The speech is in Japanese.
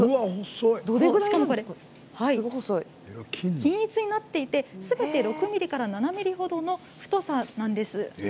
均一になっていてすべて６ｍｍから７ｍｍほどの太さなんです。